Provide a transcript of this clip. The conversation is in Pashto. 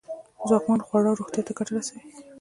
ځواکمن خواړه روغتیا ته گټه رسوي.